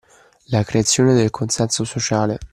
La creazione del consenso sociale.